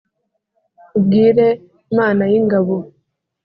Ubwire Mana y’ingabo,